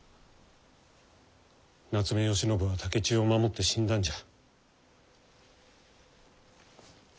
夏目吉信は竹千代を守って死んだんじゃ。